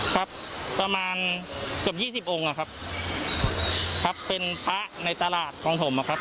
ครับประมาณเกือบยี่สิบองค์อ่ะครับครับเป็นพระในตลาดของผมอะครับ